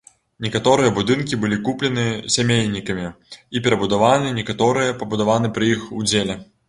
Некаторыя будынкі былі куплены сямейнікамі і перабудаваны, некаторыя пабудаваны пры іх удзеле.